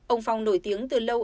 ông phong nổi tiếng từ lâu